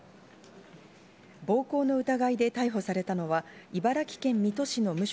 暴行の疑いで逮捕されたのは茨城県水戸市の無職・